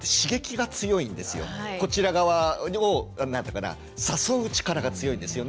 こちら側を誘う力が強いんですよね。